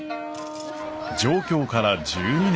上京から１２年。